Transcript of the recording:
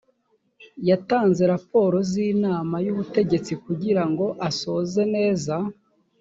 yatanze raporo z ‘inama y’ ubutegetsi kugira ngo asoze neza.